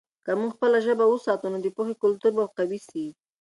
که موږ خپله ژبه وساتو، نو د پوهې کلتور به قوي سي.